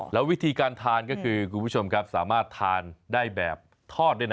แล้ววิธีการทานก็คือคุณผู้ชมครับสามารถทานได้แบบทอดด้วยนะ